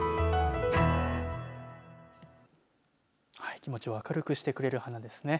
気持ちを明るくしてくれる花ですね。